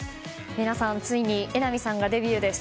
皆さんついに榎並さんがデビューです。